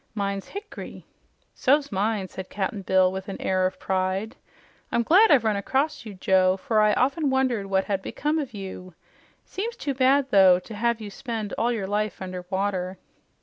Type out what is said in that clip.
Mine's hick'ry." "So's mine," said Cap'n Bill with a air of pride. "I'm glad I've run across you, Joe, for I often wondered what had become of you. Seems too bad, though, to have to spend all your life under water."